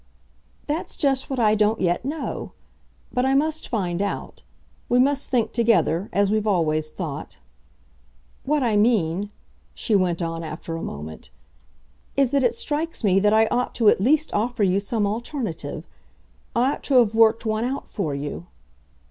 "That's just what I don't yet know. But I must find out. We must think together as we've always thought. What I mean," she went on after a moment, "is that it strikes me that I ought to at least offer you some alternative. I ought to have worked one out for you."